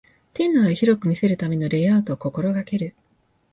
店内を広く見せるためのレイアウトを心がける